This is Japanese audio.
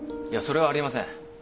いやそれはありえません。